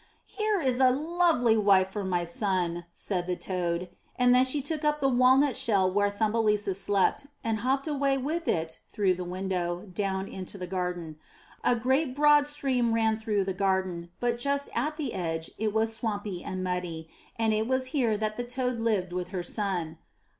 ''Here is a lovely wife for my son,'' said the toad, and then she took up the walnut shell where Thumbelisa slept and hopped away with it through the window, down into the garden. A great, broad stream ran through the garden, but just at the edge it was swampy and muddy, and it was here that the toad lived with her son.